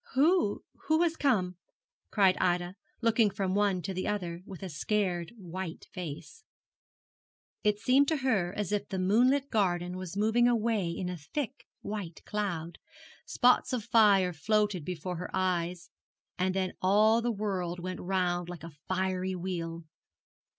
'Who, who has come?' cried Ida, looking from one to the other, with a scared white face. It seemed to her as if the moonlit garden was moving away in a thick white cloud, spots of fire floated before her eyes, and then all the world went round like a fiery wheel.